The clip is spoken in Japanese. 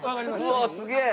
うわあすげえ！